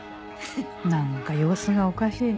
なんか様子がおかしいの。